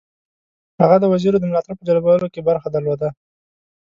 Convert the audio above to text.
هغه د وزیرو د ملاتړ په جلبولو کې برخه درلوده.